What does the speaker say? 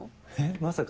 まさか。